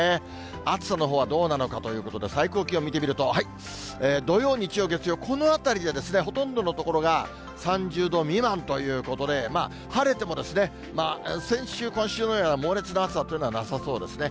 暑さのほうはどうなのかということで、最高気温見てみると、土曜、日曜、月曜、このあたりでほとんどの所が３０度未満ということで、晴れても、先週、今週のような猛烈な暑さというのはなさそうですね。